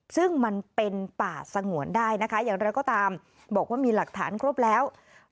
ซึ่งมันเป็นป่าสงวนได้นะคะอย่างไรก็ตามบอกว่ามีหลักฐานครบแล้ว